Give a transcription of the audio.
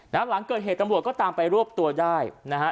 หลังเกิดเหตุตำรวจก็ตามไปรวบตัวได้นะฮะ